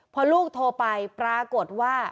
พอลูกโทรไปปรากฏว่า